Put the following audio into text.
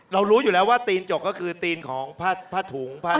รู้อยู่แล้วว่าตีนจกก็คือตีนของผ้าถุงผ้า